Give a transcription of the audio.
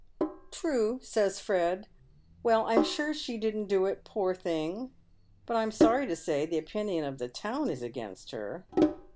" True," says Fred. " Well, I'm sure I hope she didn't do it, poor thing. But I'm sorry to say the opinion of the town is against her."